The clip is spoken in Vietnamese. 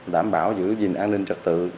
đảm bảo giữ gìn an ninh trật tự